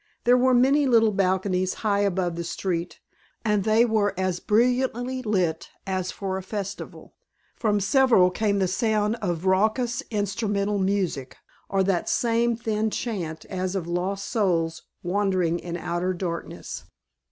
There were many little balconies high above the street and they were as brilliantly lit as for a festival. From several came the sound of raucous instrumental music or that same thin chant as of lost souls wandering in outer darkness.